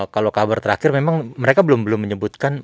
kalau kabar terakhir memang mereka belum menyebutkan